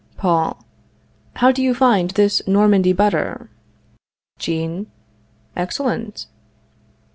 Paul. How do you find this Normandy butter? Jean. Excellent.